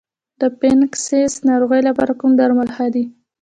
د فنګسي ناروغیو لپاره کوم درمل ښه دي؟